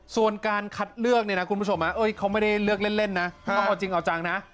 ส่วนการคัดเลือกมันเค้าไม่ได้เลือกเล่นนะเอาจริง